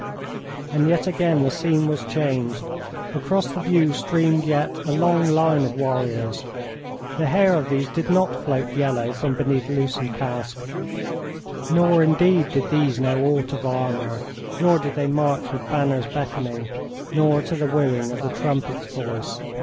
And yet again the scene was changed. Across the view streamed yet a long line of warriors. The hair of these did not float yellow from beneath loosened casque, nor indeed did these know aught of armor, nor did they march with banners beckoning, nor to the wooing of the trumpet's voice.